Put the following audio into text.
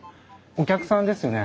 お客さんですよね？